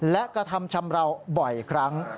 และกระทำชำราวบ่อยครั้ง